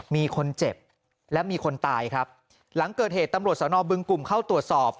มีคนเจ็บและมีคนตายครับหลังเกิดเหตุตำรวจสนบึงกลุ่มเข้าตรวจสอบ